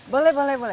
boleh boleh boleh